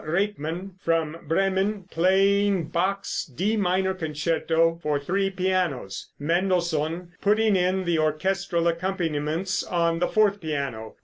Rakemann from Bremen, playing Bach's D minor concerto for three pianos, Mendelssohn putting in the orchestral accompaniments on the fourth piano.